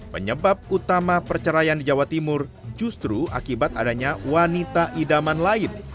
penyebab utama perceraian di jawa timur justru akibat adanya wanita idaman lain